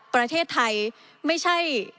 ประเทศไทยไม่ใช่